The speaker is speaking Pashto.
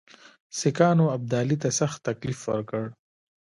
سیکهانو ابدالي ته سخت تکلیف ورکړ.